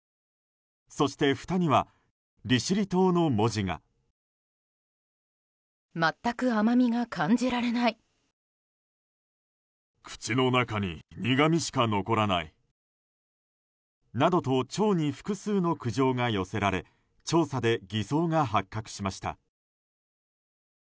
そして、ふたには利尻島の文字が。などと町に複数の苦情が寄せられ調査で偽装が発覚しました。